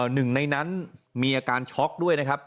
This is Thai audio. หนึ่งในนั้นมีอาการช็อกด้วยนะครับ